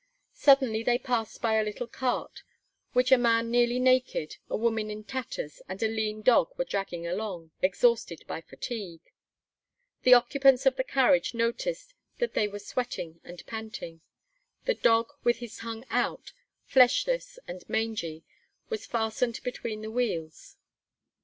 Suddenly they passed by a little cart, which a man nearly naked, a woman in tatters, and a lean dog were dragging along, exhausted by fatigue. The occupants of the carriage noticed that they were sweating and panting. The dog, with his tongue out, fleshless and mangy, was fastened between the wheels.